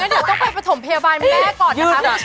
เดี๋ยวไปถมพยาบาลแม่ก่อนค่ะคุณผู้ชม